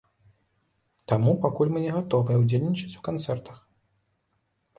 Таму пакуль мы не гатовыя ўдзельнічаць у канцэртах.